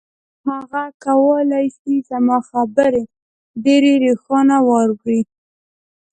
هغه کولای شي زما خبرې ډېرې روښانه واوري.